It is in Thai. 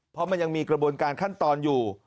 เพราะมันยังมีกระบวนการขั้นตอนอยู่